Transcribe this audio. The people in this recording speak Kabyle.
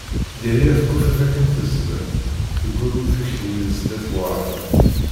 Dihya tkufeḥ akken tezmer, teggul ur tekni zdat Waεrab.